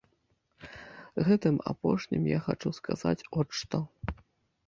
Гэтым апошнім я хачу сказаць от што.